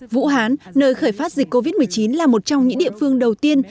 vũ hán nơi khởi phát dịch covid một mươi chín là một trong những địa phương đầu tiên